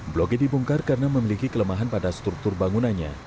blok g dibongkar karena memiliki kelemahan pada struktur bangunannya